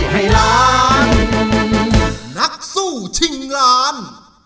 มองได้ให้ล้านนักสู้ชิงล้าน